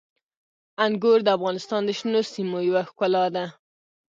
انګور د افغانستان د شنو سیمو یوه ښکلا ده.